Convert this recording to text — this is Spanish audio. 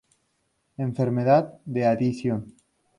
Enfermedad de Addison.